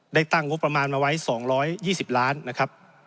ได้ตั้งงบประมาณมาไว้สองร้อยยี่สิบล้านนะครับ